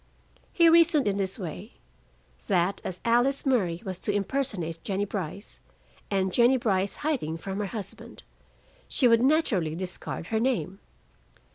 He reasoned in this way: That as Alice Murray was to impersonate Jennie Brice, and Jennie Brice hiding from her husband, she would naturally discard her name.